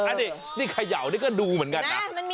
อันนี้นี่เขย่านี่ก็ดูเหมือนกันนะ